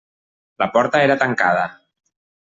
La porta era tancada.